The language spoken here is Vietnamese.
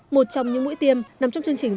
một trong những mũi tiêm nằm trong chương trình